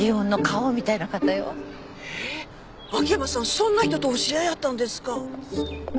そんな人とお知り合いやったんですか。